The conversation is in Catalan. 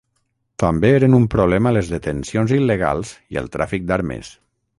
També eren un problema les detencions il·legals i el tràfic d'armes.